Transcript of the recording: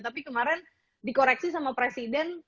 tapi kemarin dikoreksi sama presiden